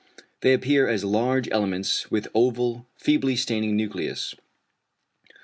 They appear as large elements with oval, feebly staining nucleus.